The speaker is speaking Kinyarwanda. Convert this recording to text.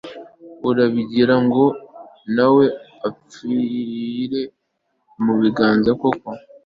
uragira ngo nawe umpfire mubiganza koko!